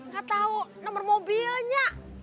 gak tahu nomor mobilnya